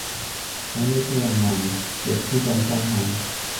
長者雖有問，役夫敢申恨？